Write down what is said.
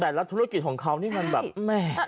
แต่ละธุรกิจของเขานี่มันแบบ